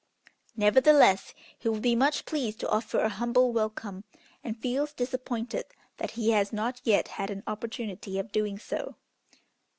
Nevertheless he would be much pleased to offer a humble welcome, and feels disappointed that he has not yet had an opportunity of doing so."